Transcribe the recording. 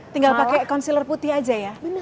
tinggal pakai konseler putih aja ya